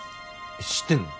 知ってんの？